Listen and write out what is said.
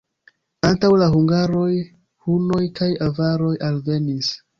Antaŭ la hungaroj hunoj kaj avaroj alvenis.